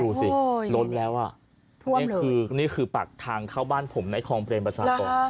ดูสิล้นแล้วอ่ะนี่คือนี่คือปากทางเข้าบ้านผมในคลองเบรมประชากร